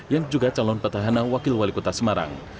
yang juga calon petahana wakil wali kota semarang